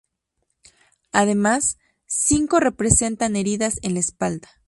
Además, cinco presentan heridas en la espalda.